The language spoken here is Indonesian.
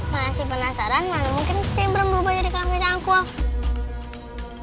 masih penasaran mana mungkin imran berubah jadi kakek canggul